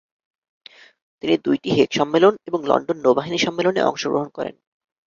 তিনি দুইটি হেগ সম্মেলন এবং লন্ডন নৌবাহিনী সম্মেলনে অংশগ্রহণ করেন।